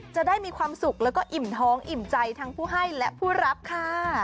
จะได้มีความสุขแล้วก็อิ่มท้องอิ่มใจทั้งผู้ให้และผู้รับค่ะ